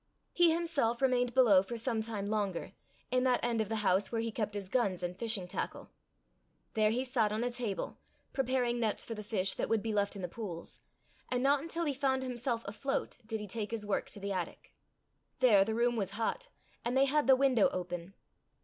He himself remained below for some time longer, in that end of the house where he kept his guns and fishing tackle; there he sat on a table, preparing nets for the fish that would be left in the pools; and not until he found himself afloat did he take his work to the attic. There the room was hot, and they had the window open.